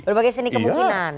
berbagai seni kemungkinan